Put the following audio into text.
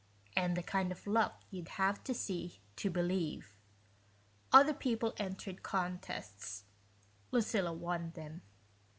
and the kind of luck you'd have to see to believe. Other people entered contests Lucilla won them.